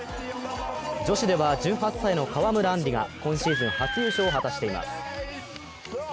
女子では１８歳の川村あんりが今シーズン初優勝を果たしています。